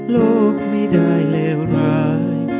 โลกไม่ได้แล้วร้าย